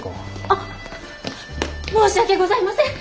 あっ申し訳ございません。